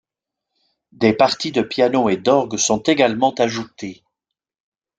Des parties de piano et d’orgue sont également ajoutées.